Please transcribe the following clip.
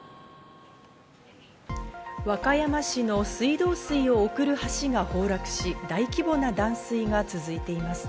和歌山市の水道水を送る橋が崩落し大規模な断水が続いています。